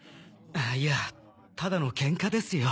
いやただのケンカですよ。